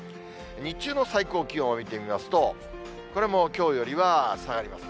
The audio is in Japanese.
日中の最高気温を見てみますと、これもきょうよりは下がります。